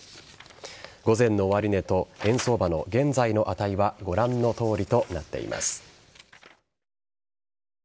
午前の終値と円相場の現在の値はご覧のとおりとなっています。